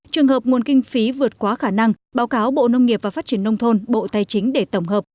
trường hợp nguồn kinh phí vượt quá khả năng báo cáo bộ nông nghiệp và phát triển nông thôn bộ tài chính để tổng hợp